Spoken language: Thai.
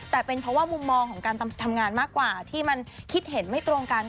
แต่เป็นเพราะว่ามุมมองของการทำงานมากกว่าที่มันคิดเห็นไม่ตรงกัน